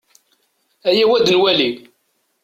Ayaw ad nwali.